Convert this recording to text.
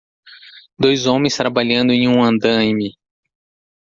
Dois homens trabalhando em um andaime.